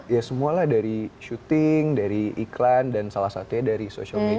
ya semualah dari shooting dari iklan dan salah satunya dari social media juga